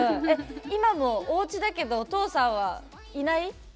今も、おうちだけどお父さんはいない？